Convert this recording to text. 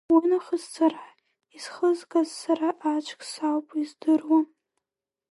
Уи нахыс сара исхызгаз, сара аӡәк соуп издыруа…